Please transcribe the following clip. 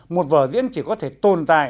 một vở diễn chỉ có thể tồn tại